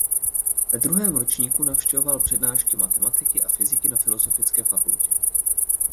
Ve druhém ročníku navštěvoval přednášky matematiky a fyziky na filozofické fakultě.